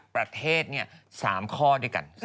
ประเทศเนี่ย๓ข้อด้วยกัน